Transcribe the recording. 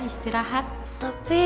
siapa dia sih